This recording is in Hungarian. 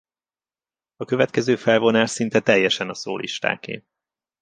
A következő felvonás szinte teljesen a szólistáké.